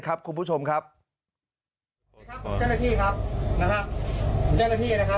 กรุงประเทศคุณแบบนี้หรอ